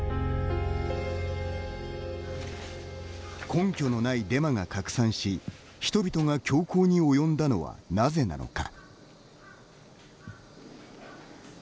根拠のないデマが拡散し人々が凶行に及んだのはなぜなのか。